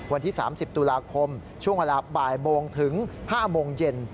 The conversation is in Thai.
วันที่๓๐ตุลาคมช่วงเวลาบ่ายโมงถึง๕โมงเย็น